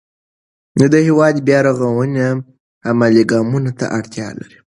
د هېواد بیا رغونه عملي ګامونو ته اړتیا لري.